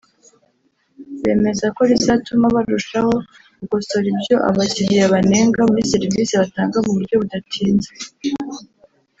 bemeza ko rizatuma barushaho gukosora ibyo abakiriya banenga muri serivise batanga mu buryo budatinze